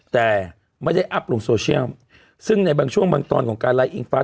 แต่ไม่ได้อัพลงโซเชียลซึ่งในบางช่วงบางตอนของการไลคิงฟ้า